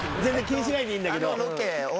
全然気にしないでいいんだけど。